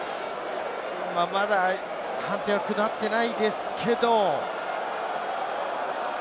まだ判定は下っていないですけど。